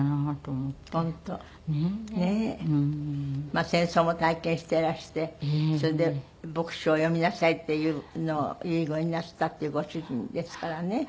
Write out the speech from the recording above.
まあ戦争も体験していらしてそれで墨子をお読みなさいっていうのを遺言になすったっていうご主人ですからね。